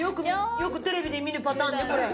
よくテレビで見るパターンねこれ。